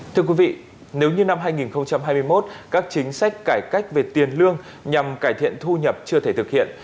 thưa quý vị nếu như năm hai nghìn hai mươi một các chính sách cải cách về tiền lương nhằm cải thiện thu nhập chưa thể thực hiện